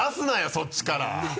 そっちから。